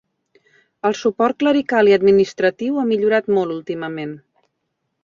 El suport clerical i administratiu ha millorat molt últimament.